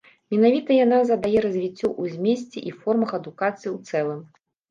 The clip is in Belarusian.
Менавіта яна задае развіццё ў змесце і формах адукацыі ў цэлым.